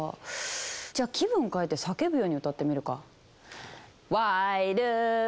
じゃあ気分変えて叫ぶように歌ってみるか。